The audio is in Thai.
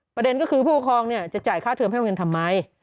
ประเด็นก็คือผู้ปกครองจะจ่ายค่าเทิมให้โรงเรียนทำไม